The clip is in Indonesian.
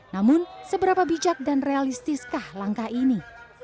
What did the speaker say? namun seberapa bijak dan realistiskah langkah ini